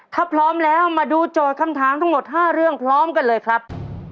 ถ้าพร้อมแล้วมาดูโจทย์คำถามทั้งหมด๕เรื่องพร้อมกันเลยครับ